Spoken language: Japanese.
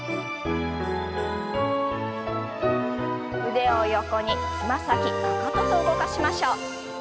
腕を横につま先かかとと動かしましょう。